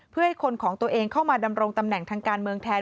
เพื่อให้คนของตัวเองเข้ามาดำรงตำแหน่งทางการเมืองแทน